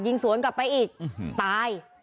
สวนกลับไปอีกตาย